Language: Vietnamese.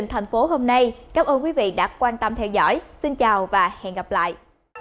cảm ơn các bạn đã quan tâm theo dõi xin chào và hẹn gặp lại